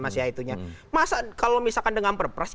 masa kalau misalkan dengan perpres